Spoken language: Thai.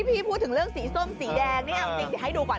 พี่พูดถึงเรื่องสีส้มสีแดงให้ดูก่อน